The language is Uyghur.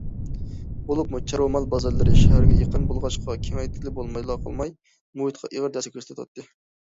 بولۇپمۇ چارۋا مال بازارلىرى شەھەرگە يېقىن بولغاچقا كېڭەيتكىلى بولمايلا قالماي، مۇھىتقا ئېغىر تەسىر كۆرسىتىۋاتاتتى.